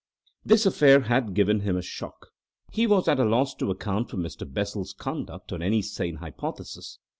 This affair had given him a shock. He was at a loss to account for Mr. Bessel's conduct on any sane hypothesis.